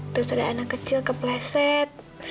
terus ada anak kecil kepleset